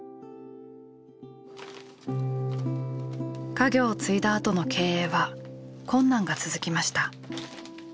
家業を継いだあとの経営は困難が続きました。